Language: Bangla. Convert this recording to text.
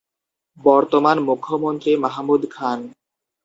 বর্তমান মুখ্যমন্ত্রী মাহমুদ খান।